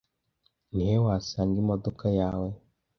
Ni he wasanga imodoka Yawe